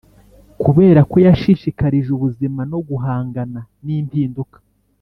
kuberako yashishikarije ubuzima no guhangana nimpinduka,